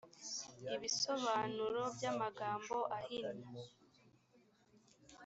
ibisobanuro by’amagambo ahinnye